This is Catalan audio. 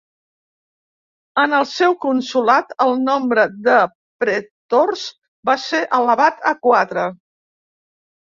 En el seu consolat el nombre de pretors va ser elevat a quatre.